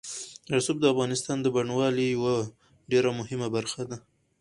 رسوب د افغانستان د بڼوالۍ یوه ډېره مهمه برخه ده.